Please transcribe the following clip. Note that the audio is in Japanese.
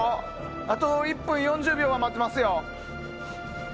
あと１分４０秒は待てますよ。